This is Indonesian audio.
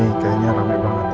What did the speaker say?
ini kayaknya rame banget